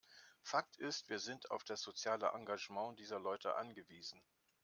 Fakt ist, wir sind auf das soziale Engagement dieser Leute angewiesen.